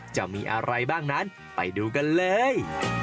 จะมีอะไรบ้างนั้นไปดูกันเลย